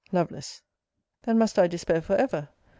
Lovel. Then must I despair for ever!